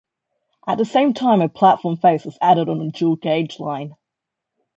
At the same time a platform face was added on the dual gauge line.